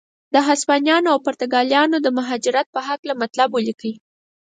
د هسپانویانو او پرتګالیانو د مهاجرت په هکله مطلب ولیکئ.